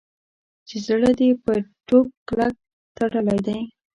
چې زړه دې په ټوک کلک تړلی دی.